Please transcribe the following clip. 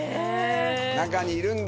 中にいるんだ。